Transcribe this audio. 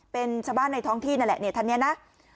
เป็นชาวบ้านในท้องที่นั่นแหละเนี่ยท่านนี้นะ